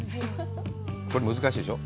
これ、難しいでしょう？